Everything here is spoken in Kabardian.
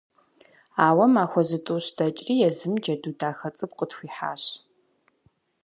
Ауэ махуэ зытӀущ дэкӀри, езым джэду дахэ цӀыкӀу къытхуихьащ…